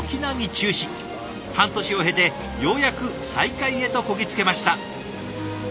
半年を経てようやく再開へとこぎ着けました。